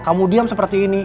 kamu diam seperti ini